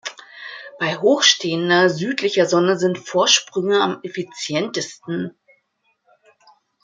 Bei hochstehender südlicher Sonne sind Vorsprünge am effizientesten.